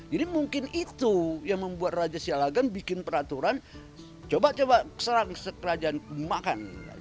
mungkin itu yang membuat raja sialagan bikin peraturan coba coba serang sekerajan makan